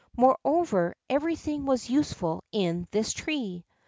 [XII 47] Moreover, everything was useful in this tree.